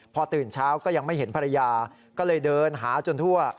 พอตื่นเช้าก็ยังไม่เห็นภรรยาก็เลยเดินหาจนทั่ว